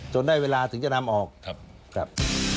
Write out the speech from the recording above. จนได้เวลาถึงจะนำออกครับครับ